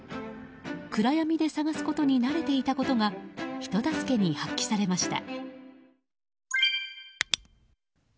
暗闇で探すことに慣れていたことが人助けに発揮されました。